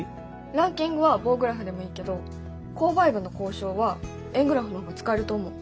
ランキングは棒グラフでもいいけど購買部の交渉は円グラフの方が使えると思う。